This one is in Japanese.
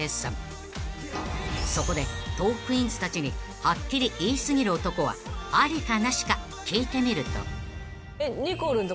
［そこでトークィーンズたちにはっきり言い過ぎる男はありかなしか聞いてみると］にこるんとかどうですか？